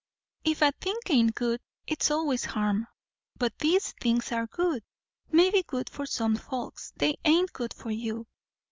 "If a thing ain't good it's always harm!" "But these things are good." "Maybe good for some folks; they ain't good for you."